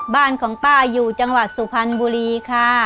บ้านของป้าอยู่จังหวัดสุพรรณบุรีค่ะ